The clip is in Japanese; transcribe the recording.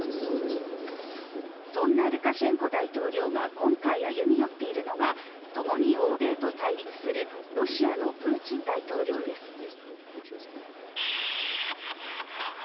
そんなルカシェンコ大統領が今回歩み寄っているのが、ともに欧米と対立するロシアのプーチン大統領です。